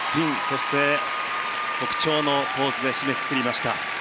そして、特徴のポーズで締めくくりました。